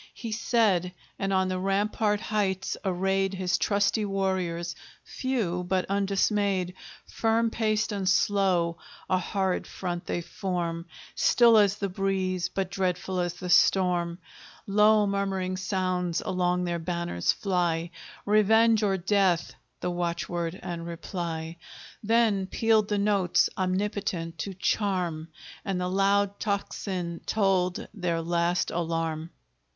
He said, and on the rampart heights arrayed His trusty warriors, few but undismayed; Firm paced and slow, a horrid front they form, Still as the breeze, but dreadful as the storm; Low murmuring sounds along their banners fly, Revenge, or death the watchword and reply; Then pealed the notes, omnipotent to charm, And the loud tocsin tolled their last alarm!